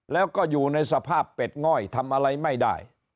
แล้วก็อยู่ในสภาพเป็ดง่อยทำอะไรไม่ได้